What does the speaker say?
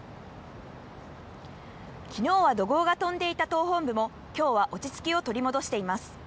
昨日は怒号が飛んでいた党本部も、今日は落ち着きを取り戻しています。